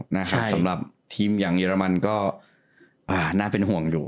นะครับใช่สำหรับทีมอย่างเยอรมันก็อ่าน่าเป็นห่วงอยู่